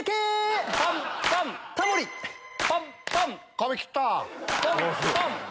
髪切った？